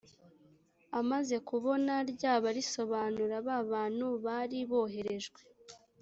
amaze kubona ryaba risobanura ba bantu bari boherejwe